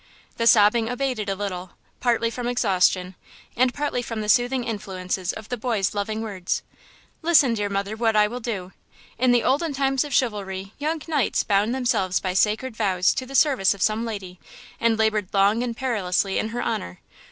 The sobbing abated a little, partly from exhaustion and partly from the soothing influences of the boy's loving words. "Listen, dear mother, what I will do! In the olden times of chivalry, young knights bound themselves by sacred vows to the service of some lady, and labored long and perilously in her honor.